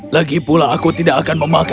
lagipula aku tidak akan memakannya